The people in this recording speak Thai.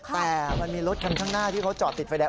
แต่มันมีรถคันข้างหน้าที่เขาจอดติดไฟแดง